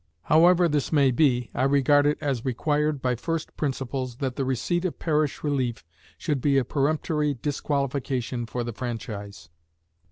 However this may be, I regard it as required by first principles that the receipt of parish relief should be a peremptory disqualification for the franchise.